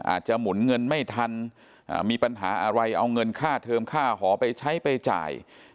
หมุนเงินไม่ทันมีปัญหาอะไรเอาเงินค่าเทิมค่าหอไปใช้ไปจ่าย